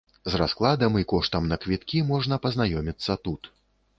З раскладам і коштам на квіткі можна пазнаёміцца тут.